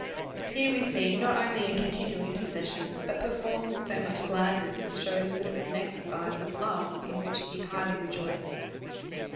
Here we see, not only a continual intercession, but performed ^vit]l so much gladness as shews that it was an exercise of love, in which he highly rejoiced.